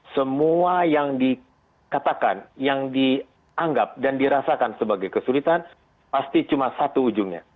semua yang dikatakan yang dianggap dan dirasakan sebagai kesulitan pasti cuma satu ujungnya